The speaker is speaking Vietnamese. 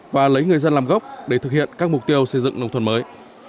và lấy người dân làm gốc để thực hiện các mục tiêu xây dựng nông thôn mới